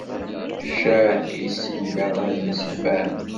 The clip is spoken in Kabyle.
Ccah, i s-iga rray-is i Fahem.